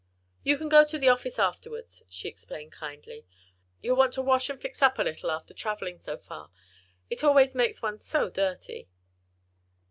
"You can go to the office afterwards," she explained, kindly. "You'll want to wash and fix up a little after traveling so far. It always makes one so dirty."